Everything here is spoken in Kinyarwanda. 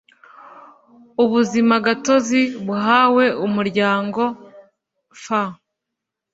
ubuzimagatozi buhawe umuryango f